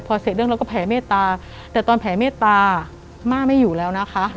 พอเสร็จเรื่องเราก็แผ่เมตตาแต่ตอนแผ่เมตตาม่าไม่อยู่แล้วนะคะ